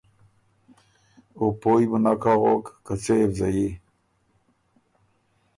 او پویٛ بُو نک اغوک که څۀ يې بو زيي۔